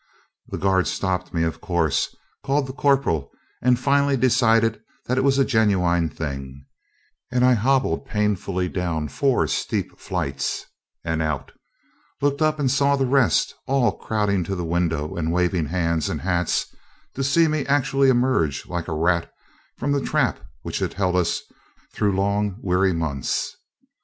The guard stopped me, of course, called the corporal, and finally decided that it was a genuine thing; and I hobbled painfully down four steep flights and out, looked up and saw the rest all crowding to the window and waving hands and hats to see me actually emerge, like a rat, from the trap which had held us through long weary months.